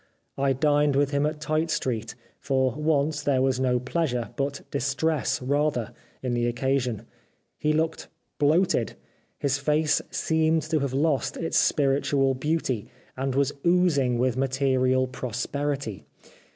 I dined with him at Tite Street : for once there was no pleasure, but distress rather, in the occasion. He looked bloated. His face seemed to have lost its spiritual beauty, and was oozing with material prosperity.